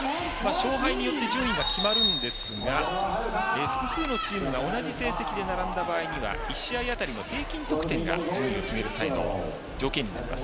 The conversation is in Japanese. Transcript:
勝敗によって順位が決まるんですが複数のチームが同じ成績で並んだ場合には１試合当たりの平均得点が順位を決める際の条件になります。